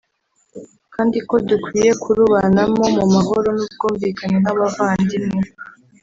kandi ko dukwiye kurubanamo mu mahoro n’ubwumvikane nk’abavandimwe